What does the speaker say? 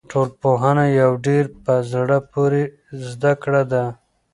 ټولنپوهنه یوه ډېره په زړه پورې زده کړه ده.